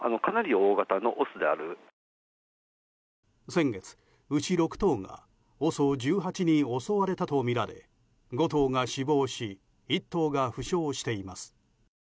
先月、牛６頭がＯＳＯ１８に襲われたとみられ５頭が死亡し１頭が負傷しています。